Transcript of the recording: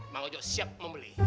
bang ojo siap membeli